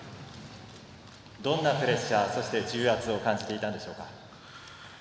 どんなプレッシャー重圧を感じていたんでしょうか？